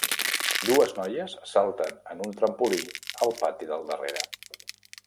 Dues noies salten en un trampolí al pati del darrere.